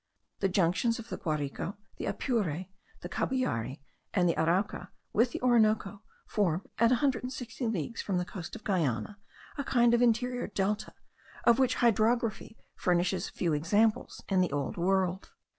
The junctions of the Guarico, the Apure, the Cabullare, and the Arauca with the Orinoco, form, at a hundred and sixty leagues from the coast of Guiana, a kind of interior Delta, of which hydrography furnishes few examples in the Old World.